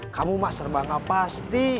kamu mah serbanga pasti